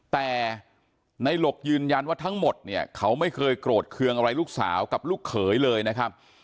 แต่ในหลกยืนยันว่าทั้งหมดเนี่ยเขาไม่เคยโกรธเคืองอะไรลูกสาวกับลูกเขยเลยนะครับ